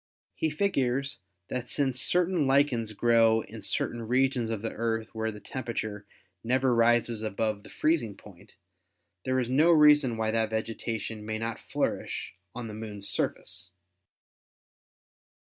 He figures that since certain lichens grow in certain regions of the Earth where the temperature never rises above the freezing point, there is no reason why that vegetation may not flourish on the Moon's surface.